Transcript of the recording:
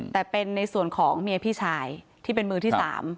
แต่เป็นในส่วนของเมียพี่ชายที่เป็นมือที่๓